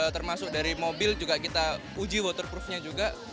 termasuk dari mobil juga kita uji waterproofnya juga